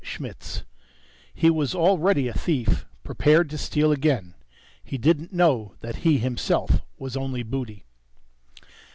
SCHMITZ He was already a thief, prepared to steal again. He didn't know that he himself was only booty!